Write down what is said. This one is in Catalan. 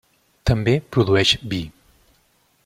També produeix vi.